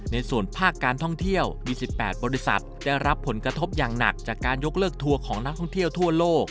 ในส่วนภาคการท่องเที่ยวมี๑๘บริษัทได้รับผลกระทบอย่างหนักจากการยกเลิกทัวร์ของนักท่องเที่ยวทั่วโลก